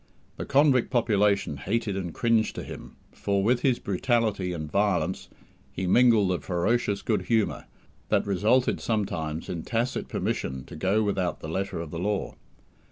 The convict population hated and cringed to him, for, with his brutality, and violence, he mingled a ferocious good humour, that resulted sometimes in tacit permission to go without the letter of the law.